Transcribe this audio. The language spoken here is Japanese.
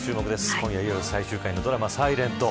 今夜いよいよ最終回のドラマｓｉｌｅｎｔ。